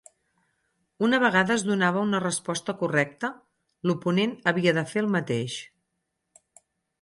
Una vegada es donava una resposta correcta, l'oponent havia de fer el mateix.